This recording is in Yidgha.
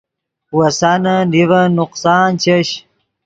وسانے نیڤن نقصان چش